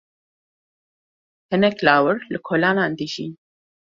Hinek lawir li kolanan dijîn.